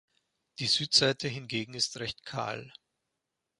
Die Südseite hingegen ist recht kahl.